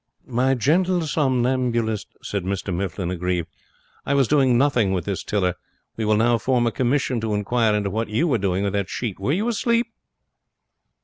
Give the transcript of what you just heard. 'My gentle somnambulist,' said Mr Mifflin, aggrieved, 'I was doing nothing with this tiller. We will now form a commission to inquire into what you were doing with that sheet. Were you asleep?'